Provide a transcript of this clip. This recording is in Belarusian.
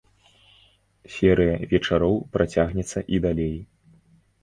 Серыя вечароў працягнецца і далей.